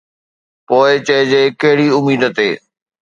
پوءِ چئجي ڪهڙي اميد تي